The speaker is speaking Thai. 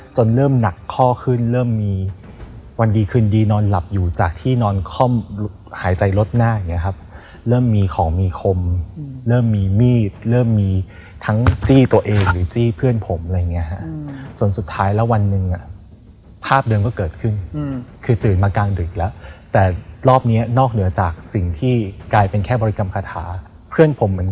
เริ่มหนักข้อขึ้นเริ่มมีวันดีคืนดีนอนหลับอยู่จากที่นอนค่อมหายใจลดหน้าอย่างเงี้ครับเริ่มมีของมีคมเริ่มมีมีดเริ่มมีทั้งจี้ตัวเองหรือจี้เพื่อนผมอะไรอย่างเงี้ยฮะจนสุดท้ายแล้ววันหนึ่งอ่ะภาพเดิมก็เกิดขึ้นคือตื่นมากลางดึกแล้วแต่รอบนี้นอกเหนือจากสิ่งที่กลายเป็นแค่บริกรรมคาถาเพื่อนผมเหมือน